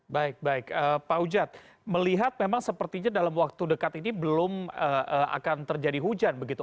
baik baik pak ujad melihat memang sepertinya dalam waktu dekat ini belum akan terjadi hujan begitu